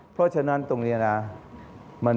เพราะฉะนั้นตรงนี้นะ